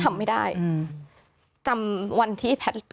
กำลังใจที่เรามีสถานการณ์อะไรที่มันอ่อนไหว